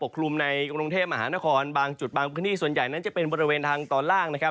กลุ่มในกรุงเทพมหานครบางจุดบางพื้นที่ส่วนใหญ่นั้นจะเป็นบริเวณทางตอนล่างนะครับ